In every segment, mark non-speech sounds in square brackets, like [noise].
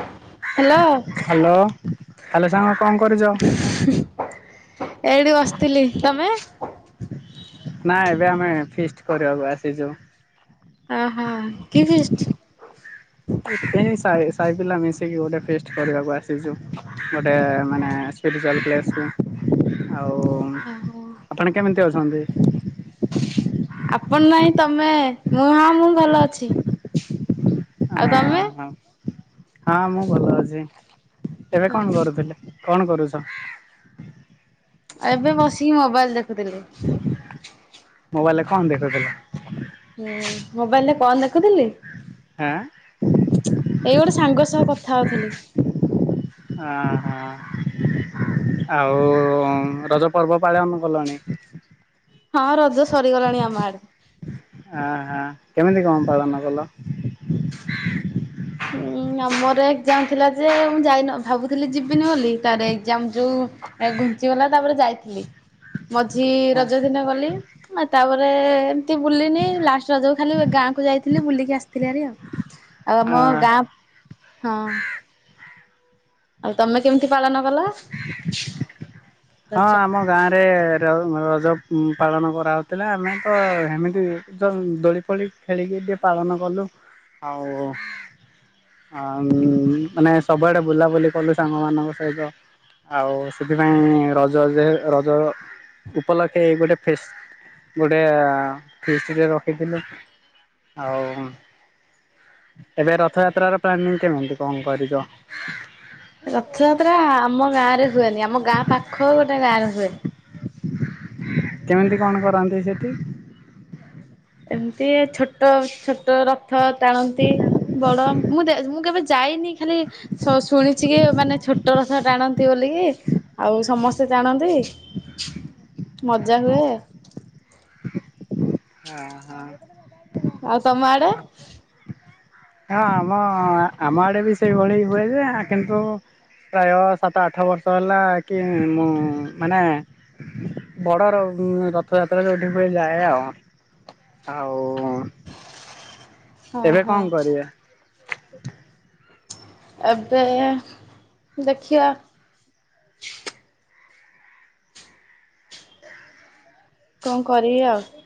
[inaudible] Hello. Hello hello ସାଙ୍ଗ କଣ କରୁଛ? ଏଇଠି ବସିଥିଲି ତମେ? ନାଇଁ ଏବେ ଆମେ ଫିଷ୍ଟ କରିବାକୁ ଆସିଚୁ। ଆହା, କି ଫିଷ୍ଟ? ଏ ସାଇ ପିଲା ମିଶିକି ଗୋଟେ ଫିଷ୍ଟ କରିବାକୁ ଆସିଚୁ ଗୋଟେ ମାନେ ସେଇଠି ଚାଲିକି ଆସୁ ଆଉ ଓହୋ ଆପଣ କେମିତି ଅଛନ୍ତି? ଆପଣ ନାହିଁ ତମେ ମୁଁ ହଁ ମୁଁ ଭଲ ଅଛି। ଆଉ ତମେ? ହଁ ହଁ ମୁଁ ଭଲ ଅଛି। ଏବେ କଣ କରୁଥିଲେ? କଣ କରୁଛ? ଏବେ ବସିକି ମୋବାଇଲ ଦେଖୁଥିଲି। ମୋବାଇଲ ରେ କଣ ଦେଖୁଥିଲ? ହୁଁ ମୋବାଇଲରେ କଁ ଦେଖୁଥିଲି। ହଁ। ଏଇ ଗୋଟେ ସାଙ୍ଗ ସହ କଥା ହଉଥିଲି। ଆହା, ଆଉ ରଜ ପର୍ବ ପାଳନ କଲଣି? ହଁ ରଜ ସରିଗଲାଣି ଆମ ଆଡେ। ଆହା, କେମିତି କଣ ପାଳନ କଲ? ଆମର ଏଗଜାମ ଥିଲା ଯେ ମୁଁ ଯାଇନ ଭାବୁଥିଲି ଯିବିନି ବୋଲି ତାରେ ଏଗଜାମ ଯୋଉ ଏ ଘୁଞ୍ଚିଗଲା ତାପରେ ଯାଇଥିଲି। ମଝି ହଁ ରଜ ଦିନ ଗଲି ତାପରେ ଏମିତି ବୁଲିନି। ଲାଷ୍ଟ ରଜକୁ ଖାଲି ଗାଁକୁ ଯାଇ ଥିଲି ବୁଲିକି ଆସିଥିଲି ଆରି ଆଉ। ଆଉ ଆମ ଆ ଗାଁ ହଁ। ଆଉ ତମେ କେମିତି ପାଳନ କଲ? ହଁ ରଜ? ଆମ ଗାଁରେ ର ରଜ ପାଳନ କରାହଉଥିଲା ଆମେ ତ ହେମିତି ଦୋଳି ଫୋଳି ଖେଳିକି ଟିକେ ପାଳନ କଲୁ। ଆଉ ହ ମାନେ ସବୁଆଡେ ବୁଲାବୁଲି କଲୁ ସାଙ୍ଗ ମାନଙ୍କ ସହିତ। ଆଉ ସେଥିପାଇଁ ରଜ ଯେ ରଜ ଉପଲକ୍ଷେ ଏଇ ଗୋଟେ ଫେସ ଗୋଟେ ଫ୍ରିଷ୍ଟ ଟେ ରଖିଥିଲୁ ଆଉ ଏବେ ରଥଯାତ୍ରାର ପ୍ଲାନିଂ କେମିତି କଣ କରିଚ? ରଥଯାତ୍ରା ଆମ ଗାଁ ରେ ହୁଏନି। ଆମ ଗାଁ ପାଖ ଗୋଟେ ଗାଁରେ ହୁଏ। କେମିତି କଣ କରନ୍ତି ସେଠି? ଏମିତି ଛୋଟ ଛୋ ତ ରଥ ଟାଣନ୍ତି ବଡ ମୁଁ ମୁଁ କେବେ ଯାଇନି ଖାଲି ଶୁଣିଛିିକି ମାନେ ଛୋଟ ଟ ରଥ ଟାଣନ୍ତି ବୋଲିକି ଆଉ ସମସ୍ତେ ଟାଣନ୍ତି। ମଜା ହୁଏ। ହଁ ହଁ। ଆଉ ତମ ଆଡେ? ହଁ ଆମ, ଆମ ଆଡେ ବି ସେଇଭଳି ହୁଏ ଯେ କିନ୍ତୁ ପ୍ରାୟ ସାତ ଆଠ ବର୍ଷ ହେଲା କି ମୁଁ ମାନେ ବଡର ରଥଯାତ୍ରା ଯଉଠି ହୁଏ ଯାଏ ଆଉ। ଆଉ ହଁ ଏବେ ହଁ କଣ କରିବେ? ଏବେ ଦେଖିବା। କଣ କରିବି ଆଉ,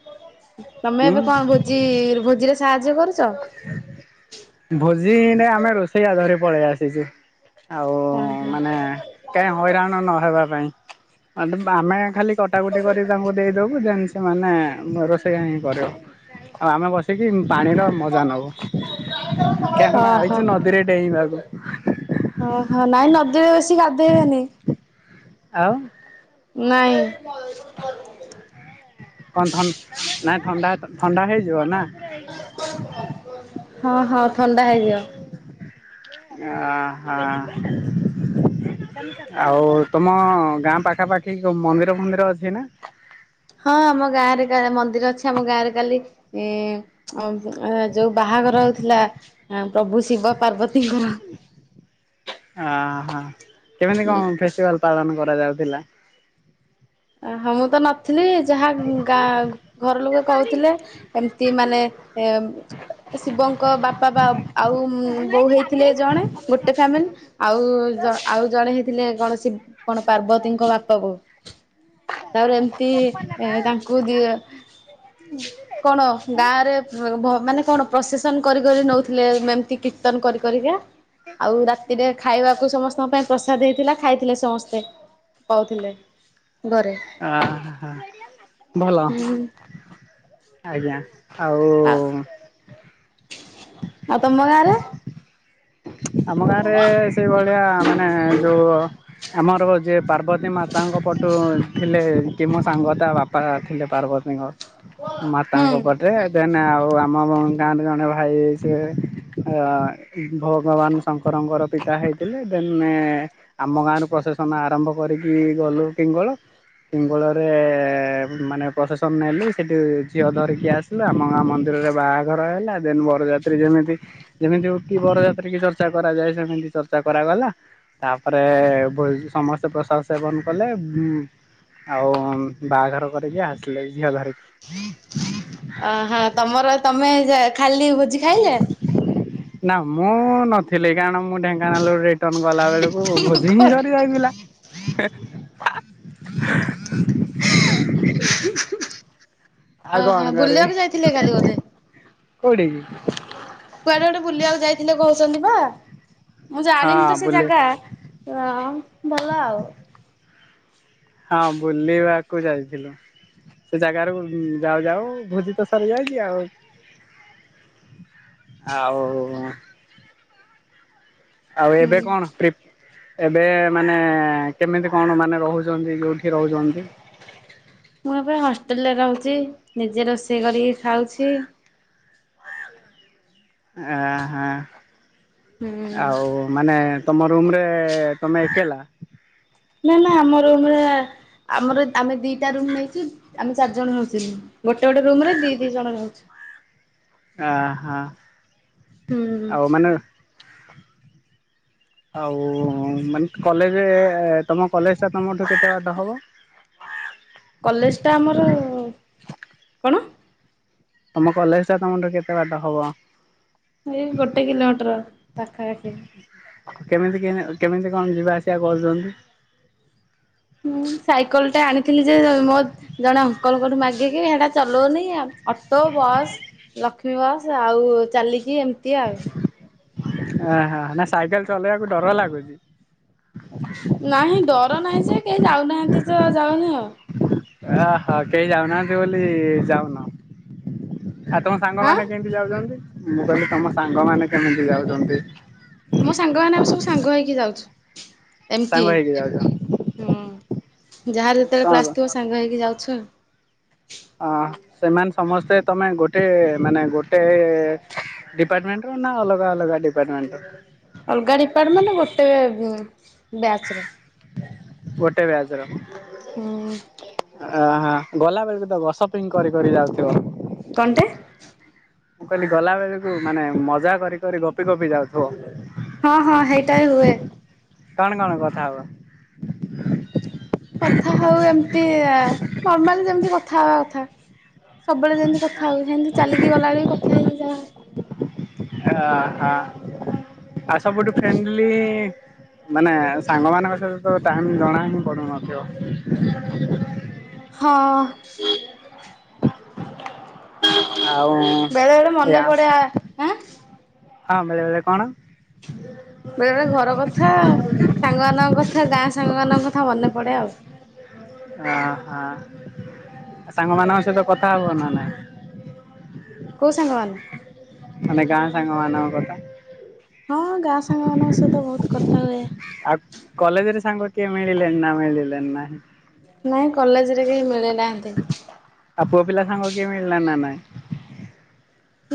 ତମେ ଉଁ ଏବେ କଣ ଭୋଜି ଭୋଜିରେ ସାହାଯ୍ୟ କରୁଛ। ଭୋଜି ନାଇ ଆମେ ରୋଷେଇଆ ଧରି ପଳେଇ ଆସିଛି। ଆଉ ଓହୋ ମାନେ କେହି ହଇରାଣ ନହେବା ପାଇଁ। ଆମେ ଖାଲି କଟାକଟି କରି ତାଙ୍କୁ ଦେଇଦେବୁ ଦେନ୍ ସେମାନେ ରୋଷେଇ ହିଁ କରିବ। ଆଉ ଆମେ ବସିକି ପାଣିର ମ ଜା ନେବୁ, [unintelligible] ଆଇଛୁ ନଦୀରେ ଡେଇଁବାକୁ। ଓହୋ ନାଇଁ ନଦୀରେ ବେଶୀ ଗାଧୋଇବେନି। ଆଉ। ନାଇଁ। କଣ ଥ ନାଇ ଥଣ୍ଡା ଥଣ୍ଡା ହେଇଯିବ ନା। ହଁ ହଁ ଥଣ୍ଡା ହେଇଯିବ। ଓ ହୋ। ଆଉ ତମ ଗାଁ ପାଖା ପାଖି ମନ୍ଦିର ଫନ୍ଦିର ଅଛି ନା? ହଁ ଆମ ଗାଁରେ ମନ୍ଦିର ଅଛି ଆମ ଗାଁରେ କାଲି ଅ ଯୋଉ ବାହାଘର ହଉଥିଲା ପ୍ରଭୁ ଶିବ ପାର୍ବତୀଙ୍କର। ଓହୋ କେମିତି କଣ ଫେଷ୍ଟିଭାଲ ପାଳନ କରାଯାଉଥିଲା? ଓହୋ ମୁଁ ତ ନ ଥିଲି ଯାହା ଗାଁ ଘର ଲୋକ କହୁଥିଲେ ଏମତି ମାନେ ଶିବଙ୍କ ବାପା ବା ଆଉ ବୋଉ ହେଇଥିଲେ ଜଣେ ଗୋଟେ ଫ୍ୟାମିଲି। ଆଉ ଆଉ ଜଣେ ହେଇଥିଲେ କଣ ଶି କଣ ପାର୍ବତୀଙ୍କ ବାପା ବୋଉ। ତାପରେ ଏମତି ତାଙ୍କୁ ଦିଅ କଣ ଗାଁରେ ମାନେ କଣ ପ୍ରସେସନ କରି କରି ନଉଥିଲେ ଏମତି କୀର୍ତ୍ତନ କରି କରିକା। ଆଉ ରାତିରେ ଖାଇବାକୁ ସମସ୍ତଙ୍କ ପାଇଁ ପ୍ରସାଦ ହେଇଥିଲା, ଖାଇଥିଲେ ସମସ୍ତେ କହୁଥିଲେ। ଘରେ‌। ଓ ହୋ ଭଲ ହୁଁ ଆଜ୍ଞା। ଆଉ ଆଉ ତମ ଗାଁ ରେ? ଆମ ଗାଁରେ ସେଇଭଳିଆ ମାନେ ଯୋଉ ଆମର ଯିଏ ପାର୍ବତୀ ମାତାଙ୍କ ପଟୁ ଥିଲେ କି ମୋ ସାଙ୍ଗ ତା ବାପା ଥିଲେ ପାର୍ବତୀଙ୍କ ମାତାଙ୍କ ହୁଁ। ପଟରେ। ଦେନ୍ ଆଉ ଆମ ଗାଁରେ ଜଣେ ଭାଇ ସେ ଭ ଭଗବାନ ଶଙ୍କରଙ୍କର ପିତା ହେଇଥିଲେ ଦେନ୍ ଆମ ଗାଁରୁ ପ୍ରଶାସନ ଆରମ୍ଭ। କରିକି ଗଲୁ ପିଙ୍ଗଳ। ପିଙ୍ଗୋଳାରେ ମାନେ ପ୍ରସେସନ ନେଲି ସେଠି ଝିଅ ଧରିକି ଆସି ଲି ଆମ ଗାଁ ମନ୍ଦିରରେ ବାହାଘର ହେଲା ଦେନ୍ ବରଯାତ୍ରୀ ଯେମିତି ଯେମିତି ହଉ କି ବରଯାତ୍ରୀ। ରେ କି ଚର୍ଚ୍ଚା କରାଯାଏ ସେମିତି ଚର୍ଚା କରାଗଲା। ତାପରେ ସମସ୍ତେ ପ୍ରସାଦ ସେବନ କଲେ ଉ। ଆଉ ବାହାଘର କରିକି ଆସିଲେ ଝିଅ ଧରିକି। ଅ ହଁ ତମର ତମେ ଖାଲି ଭୋଜି ଖାଇଲେ। ନା ମୁଁ ନଥିଲି କାରଣ ମୁଁ ଢେଙ୍କାନାଳରୁ ରେ। ରିଟନ ଗଲା ବେଳକୁ ଭୋଜିି ହିଁ ନ। ର ମିଲ। ଆଉ ଓହୋ କଣ କରିବି। ବୁଲିବାକୁ ଯାଇଥିଲେ କାଲି ବୋଧେ? କୋଉଠି କି? କୁଆଡେ ଗଟେ ବୁଲିବାକୁ ଯାଇଥିଲେ କହୁଛନ୍ତି ବା ମୁଁ ଜାଣିନି ହଁ ତ ସେ ବୁଲି ଜାଗା। ର ଭଲ ଆଉ। ହଁ ବୁଲିବାକୁ ଯାଇଥିଲୁ। ସେ ଜାଗାରୁ ଯାଉ ଯାଉ ଭୋଜି ତ ସରି ଯାଇଛିି ଆଉ। ଆଉ ଆଉ ଏବେ କଣ ଟ୍ରିପ? ଏବେ ମାନେ କେମିତି କଣ ମାନେ ରହୁଛନ୍ତି ଯେଉଁଠି ରହୁଛନ୍ତି? ମୁଁ ଏବେ ହଷ୍ଟେଲରେ ରହୁଛି ନିଜେ ରୋଷେଇ କରିକି ଖାଉଛି। ଆ ହ ହୁଁ ଆଉ ମାନେ ତମ ରୁମ ରେ ତମେ ଏକଲା? ନା ନା ଆମ ରୁମରେ ଆମର ଆମେ ଦିଟା ରୁମ୍ ନେଇଛୁ ଆମେ ଚାରି ଜଣ ହେଉଛୁ। ଗୋଟେ ଗୋଟେ ରୁମରେ ଦି ଦିଇ ଜଣ ରହୁଛୁ। ଅ ହ ହୁଁ ଆଉ ମାନେ ଆଉ ମାନେ କଲେଜ ତମ କଲେଜ ଟା ତମଠୁ କେତେ ବାଟ ହବ? କଲେଜଟା ଆମର କଣ? ତମ କଲେଜ ଟା ତମଠୁ କେତେ ବାଟ ହବ? ଏଇ ଗୋଟେ କିଲୋମିଟର ପାଖାପାଖି। କେମିତି କେ କେମିତି କଣ ଯିବା ଆସିବା କରୁଛନ୍ତି? ହଁ ସାଇକେଲ ଟେ ଆଣିଥିଲି ଯେ ମୋ ଜଣେ ଅଙ୍କଲଙ୍କଠୁ ମାଗିକି ସେଟା ଚଲଉନି ଅଟୋ, ବସ୍ ଲକ୍ଷ୍ମୀ ବସ୍ ଆଉ ଚାଲିକି ଏମିତି ଆଉ। ଓହୋ ନା ସାଇକେଲ ଚଲେଇବାକୁ ଡର ଲାଗୁଛି? ନାହିଁ ଡର ନାହିଁ ଯେ କେହି ଯାଉନାହାନ୍ତି ତ ଯାଉନି ଆଉ। ଓହୋ କେହି ଯାଉନାହାନ୍ତି ବୋଲି ଯାଉନ। ଆଉ ତମ ସାଙ୍ଗ ଆଁ ମାନେ କେମିତି ଯାଉଛନ୍ତି? ମୁଁ କହିଲି ତମ ସାଙ୍ଗ ମାନେ କେମିତି ଯାଉଛନ୍ତି? ମୋ ସାଙ୍ଗମାନେ ଆମେ ସବୁ ସାଙ୍ଗ ହେଇକି ଯାଉଛୁ, ଏମିତି ସାଙ୍ଗ ହେଇକି ଯାଉଛ ହୁଁ ଯାହାର ଯେତେବେଳେ କ୍ଲାସ ତ ଥିବ ସାଙ୍ଗ ହେଇକି ଯାଉଛୁ। ଅଁ ସେମାନେ ସମସ୍ତେ ତମେ ଗୋଟେ ମାନେ ଗୋଟେ ଡିପାର୍ଟମେଣ୍ଟ ର ନା ଅଲଗା ଅଲଗା ଡିପାର୍ଟମେଣ୍ଟର? ଅଲଗା ଡିପାର୍ଟମେଣ୍ଟ ଗୋଟେ ବ୍ୟାଚର। ଗୋଟେ ବ୍ୟାଚର। ହୁଁ ଅହ ଗଲା ବେଳକୁ ତ ଗୋସପିଙ୍ଗ କରି କରି ଯାଉଥିବ। କଣ ଟେ? ମୁଁ କହିଲି ଗଲା ବେଳକୁ ମାନେ ମଜା କରି କରି ଗପି ଗପି ଯାଉଥିବ। ହଁ ହଁ ହେଇଟା ହିଁ ହୁଏ। କଣ କଣ କଥା ହବ। କଥା ହଉ ଏମିତି ଆଉ ନର୍ମାଲ୍ ଯେମିତି କଥା ହବା କଥା। ସବୁବେଳେ ଯେମିତି କଥା ହଉ ସେମିତି ଚାଲିକି ଗଲାବେଳେ ବି କଥା ହେଇ ହେଇ ଯାହା। ଆ ହା ଆଉ ସବୁଠୁ ହୁଁ। ଫ୍ରେଣ୍ଡଲି ମାନେ ସାଙ୍ଗ ମାନଙ୍କ ସହିତ ତ ଟାଇମ୍ ଜଣା ହିଁ ପଡୁନଥିବ। ହଁ। ଆଉ ବେଳେ ବେଳେ ମନେ ଏଇଆ ପଡେ ଆ ହଁ ବେଳେ ବେଳେ କଣ? ବେଳେ ବେଳେ ଘର କଥା ସାଙ୍ଗମାନଙ୍କ କଥା ଗାଁ ସାଙ୍ଗ ମାନଙ୍କ କଥା ମନେ ପଡେ ଆଉ। ଆହା ଆଉ ସାଙ୍ଗମାନାନଙ୍କ ସହିତ କଥା ହବ ନା ନହିଁ କେଉ ସାଙ୍ଗ ମାନେ? ମାନେ ଗାଁ ସାଙ୍ଗମାନଙ୍କ କଥା। ହଁ ଗାଁ ସାଙ୍ଗମାନଙ୍କ ସହିତ ବହୁତ କଥା ହୁଏ। ଆଉ କଲେଜରେ ସାଙ୍ଗ କିଏ ମିଳିଲେଣିନା ମିଳିଲେଣିନା ନାହାନ୍ତି। ନାଇଁ କଲେଜରେ କେହି ମିଳି ନାହାନ୍ତି। ଆଉ ପୁଅ ପିଲା ସାଙ୍ଗ କିଏ ମିଳିଲା ନା ନାଇଁ।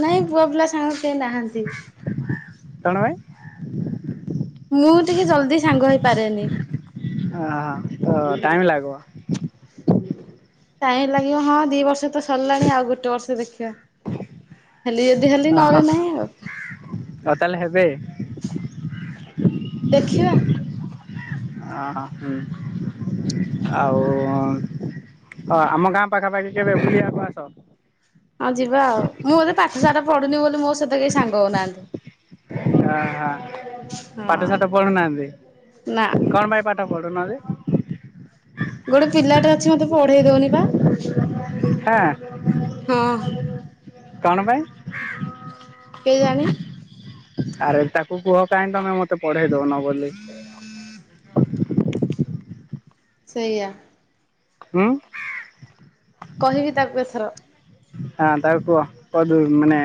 ନାଇଁ ପୁଅ ପିଲା ସାଙ୍ଗ କେହି ନାହାନ୍ତି। କଣ। ମୁଁ ଟିକେ ଜଲ୍ଦି ସାଙ୍ଗ ହେଇପାରେନି। ଓହୋ ହଁ ଟାଇମ ଲାଗିବ। ଟାଇମ ଲାଗିବ ହଁ ଦି ବର୍ଷ ତ ସରିଲାଣି ଆଉ ଗୋଟେ ବର୍ଷ ଦେଖିବା। ହେଲି ଯଦି ହେଲି ନହଲେ ନାହିଁ ଆଉ। ହଉ ତାହେଲେ ହେବେ। ଦେଖିବା। ଓହ ହୁଁ ଆଉ ହଁ ଆମ ଗାଁ ପାଖାପାଖି କେବେ ବୁଲିବାକୁ ଆସ। ହଁ ଯିବା ଆଉ ମୁଁ ଏତେ ପାଠ ସାଠ ପଢୁନି ବୋଲି ମୋ ସହିତ କେହି ସାଙ୍ଗ ହଉନାହାନ୍ତି। ଓହୋ ପାଠ ସାଠ ହଁ। ପଢୁନାହାନ୍ତି ନା କଣ ପାଇଁ ପାଠ ଠ ପଡ଼ୁ ନାହାନ୍ତି। ଗୋଟେ ପିଲାଟା ଅଛି ମତେ ପଢେଇ ଦଉନି ପା ହାଁ। ହଁ। କଣ ପାଇଁ? କେଜାଣି। ଆରେ ତାକୁ କୁହ କାଇଁ ତମେ ମତେ ପଢେଇ ଦଉନ ବୋଲି। ସେଇଆ। ଉଁ। କହିବି ତାକୁ ଏଥର। ହଁ ତାକୁ କୁହ କ ତୁ ମାନେ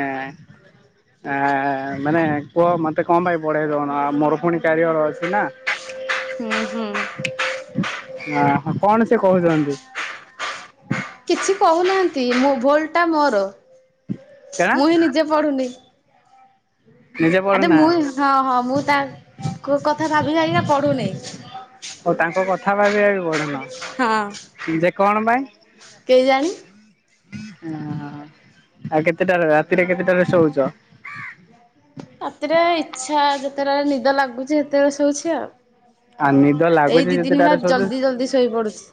ଆ ମାନେ କୁହ ମତେ କଣ ପାଇଁ ପଢେଇ ଦଉନ ଆଉ ମୋର ପୁଣି କ୍ୟାରିଅର ଅଛି ନା। ହୁଁ ହୁଁ। ଓହୋ କଣ ସେ କହୁଛନ୍ତି। କିଛି କହୁନାହାନ୍ତି ମୋ ଭୋଲ ଟା ମୋର କଣ ମୁଁ ହିଁ ନିଜେ ପଢୁନି। ନିଜେ ଆରେ ମୁଁ ପଢୁନାହାନ୍ତି ହଁ ହଁ ମୁଁ ତାଙ୍କ କଥା ଭାବି ଭାବିକା ପଢୁନେଇ। ଅ ତାଙ୍କ କଥା ଭାବିବା ବି ପଢୁନ। ଯେ କଣ ପାଇଁ? କେଇଜାଣି। ଓ ଆଉ କେତେଟା ରାତିରେ କେତେଟାରେ ଶୋଉଛ? ରାତିରେ ଇଚ୍ଛା ଯେତେବେଳେ ନିଦ ଲାଗୁଛି ସେତେବେଳେ ଶୋଉଛି ଆଉ। ଆଉ ନିଦ ଏଇ ଲାଗୁଛି ଦି ଦିନି ହେଲା ଜଲଦି ଜଲଦି ଶୋଇ ପଡୁଛି।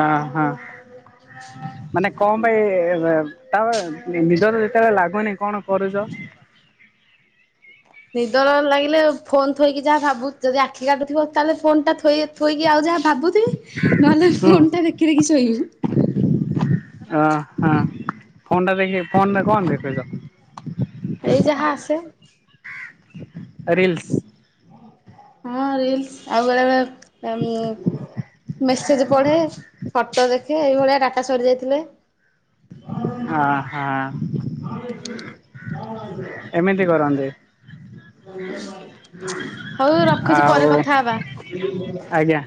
ଓ ହୋ। ମାନେ କଣ ପାଇଁ ତ ନିଦ ଯେତେବେଳେ ଲାଗୁନି କଣ କରୁଛ? ନିଦ ନ ଲାଗିଲେ ଫୋନ୍ ଥୋଇକି ଯାହା ଭାବୁ ଯଦି ଆଖି କାଟୁଥିବ ତାହେଲେ ଫୋନ୍ ଟା ଥୋଇ ଶୋଇକି ଆଉ ଯାହା ଭାବୁଥିବି ନହେଲେ ଫୋନ୍ ଟା ଦେଖି ଦେଖି ଶୋଇବି। ଓ ହୋ ଫୋନଟା ଦେଖି ଫୋନ୍ ରେ କଣ ଦେଖୁଛ? ଏଇ ଯାହା ଆସେ। ରିଲସ୍। ହଁ ରିଲ୍ସ ଆଉ ବେଳେବେଳେ ଉଁ ମେସେଜ୍ ପଢେ ଫଟୋ ଦେଖେ ଏଇଭଳିଆ ଡା଼ଟା ସରିଯାଇଥିଲେ। ଓ ହୋ। ଏମିତି କରନ୍ତି। ହଉ ରଖୁଛି ପରେ ଆଉ କଥା ହବା। ଆଜ୍ଞା।